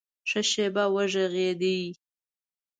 ښه شېبه وږغېدی !